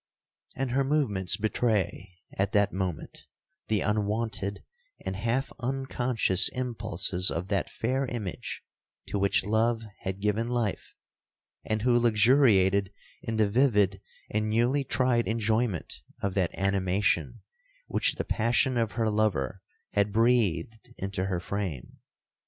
And her movements betray, at that moment, the unwonted and half unconscious impulses of that fair image to which love had given life, and who luxuriated in the vivid and newly tried enjoyment of that animation which the passion of her lover had breathed into her frame.